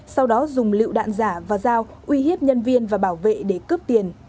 sau đó dùng lựu đạn giả và dao uy hiếp nhân viên và bảo vệ để cướp tiền